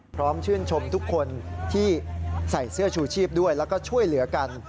พร้อมชื่นชมทุกคนที่ใส่เสื้อชูชีพด้วยแล้วก็ช่วยเหลือกัน